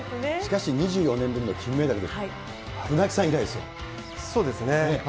しかし、２４年ぶりの金メダル、そうですね。